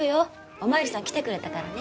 お巡りさん来てくれたからね。